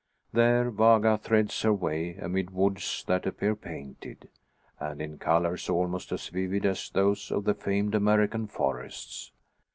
There Vaga threads her way amid woods that appear painted, and in colours almost as vivid as those of the famed American forests.